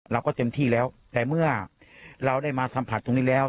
เราก็เต็มที่แล้วแต่เมื่อเราได้มาสัมผัสตรงนี้แล้ว